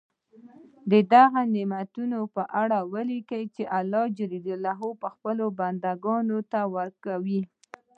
د هغه نعمتونو په اړه ولیکي چې الله خپلو بندګانو ته ورکوي.